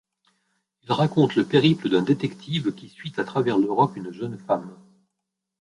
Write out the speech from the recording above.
Il raconte le périple d'un détective qui suit à travers l'Europe une jeune femme.